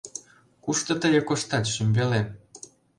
Кушто тые коштат, шÿмбелем